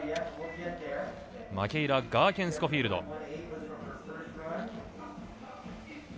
マケイラ・ガーケンスコフィールド。